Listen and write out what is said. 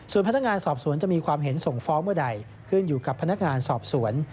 ส่วนพนักงานสอบสวนจะมีความเห็นส่งฟ้องเมื่อใดขึ้นอยู่กับพนักงานสอบสวน